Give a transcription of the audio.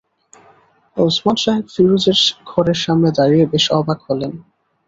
ওসমান সাহেব ফিরোজের ঘরের সামনে দাঁড়িয়ে বেশ অবাক হলেন।